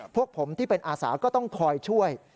พวกผมที่เป็นอาสาก็ต้องคอยช่วย